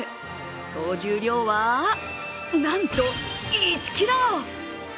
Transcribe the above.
総重量は、なんと１ｋｇ。